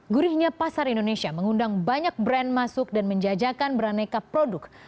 gurihnya pasar indonesia mengundang banyak brand masuk dan menjajakan beraneka produk